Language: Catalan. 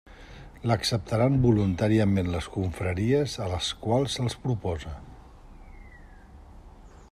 L'acceptaran voluntàriament les confraries a les quals se'ls propose.